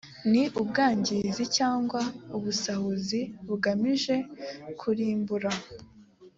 ni ubwangizi cyangwa ubusahuzi bugamije kurimbura